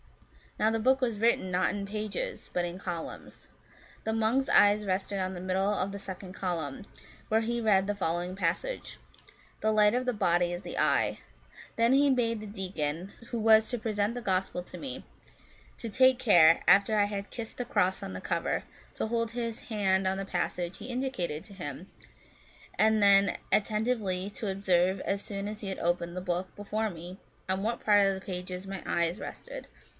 Now the book was written, not in pages, but in columns. The monk's eyes rested on the middle of the second column, where he read the following passage, * The light of the body is the eye.* Then he bade the deacon, who was to present the Gospel to me, to take care, after I had kissed the cross on the cover, to hold his hand on the passage he indicated to him, and then atten tively to observe, as soon as he had opened the book before me, on what part of the pages my eyes rested.